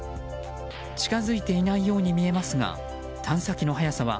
近づいていないように見えますが探査機の速さは